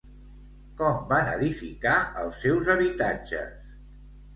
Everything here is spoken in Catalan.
Com van edificar els seus habitatges?